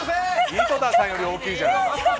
井戸田さんより大きいじゃない。